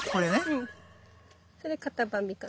うんそれカタバミかな。